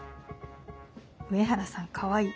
「上原さんかわいい」。